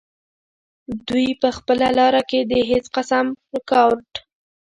دوي پۀ خپله لاره کښې د هيڅ قسم رکاوټ